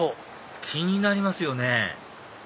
気になりますよね